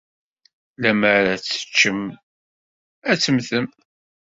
Lemmer ad tt-teččem, ad temmtem.